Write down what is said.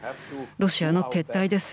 ロシアの撤退です。